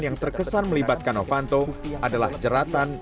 yang terkesan melibatkan novanto adalah jeratan